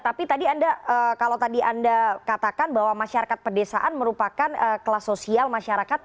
tapi tadi anda kalau tadi anda katakan bahwa masyarakat pedesaan merupakan kelas sosial masyarakat